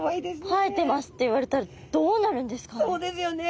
生えてますって言われたらどうなるんですかね。